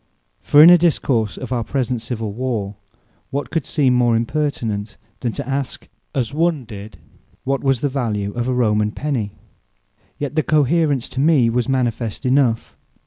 For in a Discourse of our present civill warre, what could seem more impertinent, than to ask (as one did) what was the value of a Roman Penny? Yet the Cohaerence to me was manifest enough.